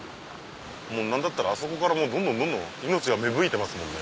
何だったらあそこからどんどんどんどん命が芽吹いてますもんね。